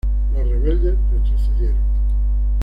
Los rebeldes retrocedieron.